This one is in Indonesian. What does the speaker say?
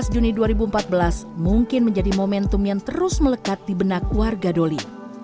delapan belas juni dua ribu empat belas mungkin menjadi momentum yang terus melekat di benak warga doli